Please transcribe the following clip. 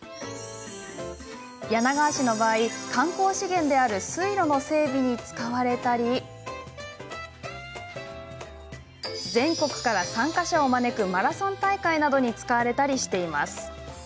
柳川市の場合、観光資源である水路の整備に使われたり全国から参加者を招くマラソン大会などに使われたりしています。